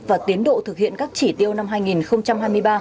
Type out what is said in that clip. và tiến độ thực hiện các chỉ tiêu năm hai nghìn hai mươi ba